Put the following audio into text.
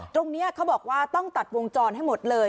ตรงนี้เขาบอกว่าต้องตัดวงจรให้หมดเลย